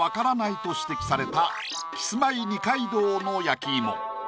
と指摘されたキスマイ二階堂の焼き芋。